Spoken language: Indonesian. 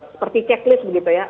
seperti checklist begitu ya